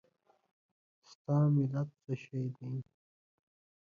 ستا ملت څه شی دی؟